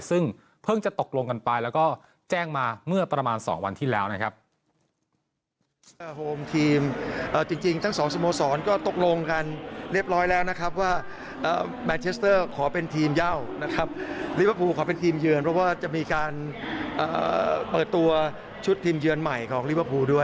ซึ่งเพิ่งจะตกลงกันไปแล้วก็แจ้งมาเมื่อประมาณ๒วันที่แล้วนะครับ